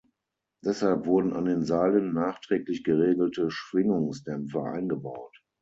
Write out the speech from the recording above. Deshalb wurden an den Seilen nachträglich geregelte Schwingungsdämpfer eingebaut.